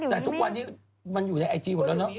แต่ทุกวันนี้มันอยู่ในไอจีหมดแล้วเนอะ